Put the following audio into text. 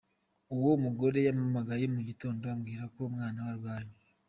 Uwo mugore yampamagaye mu gitondo ambwira ko umwana arwaye.